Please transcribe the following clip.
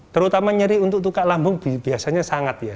terutama nyeri untuk tukak lambung biasanya sangat ya